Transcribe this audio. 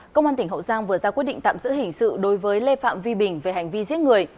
công an tỉnh hậu giang vừa ra quyết định tạm giữ hình sự đối với lê phạm vi bình về hành vi giết người